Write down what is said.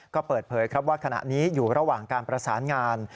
ก็เปิดเผยครับว่าขณะนี้อยู่ระหว่างการประสานงาน